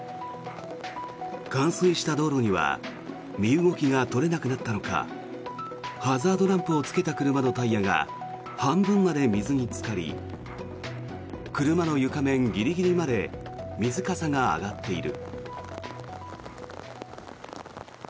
冠水した道路には身動きが取れなくなったのかハザードランプをつけた車のタイヤが半分まで水につかり車の床面ギリギリまで水かさが上がっている。